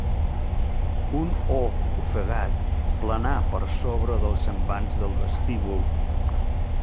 Un oh ofegat planà per sobre dels envans del vestíbul.